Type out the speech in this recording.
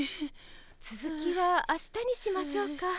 つづきは明日にしましょうか。